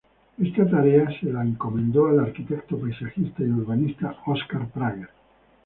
Esta tarea se le encomendó al arquitecto paisajista y urbanista Óscar Prager.